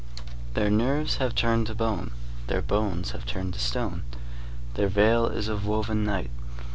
Their nerves have turned to bone; their bones have turned to stone. Their veil is of woven night.